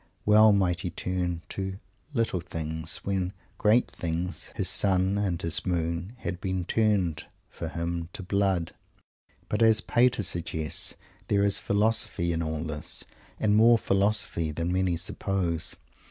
Well might he turn to "little things," when great things his Sun and his Moon had been turned for him to Blood! But, as Pater suggests, there is "Philosophy" in all this, and more Philosophy than many suppose.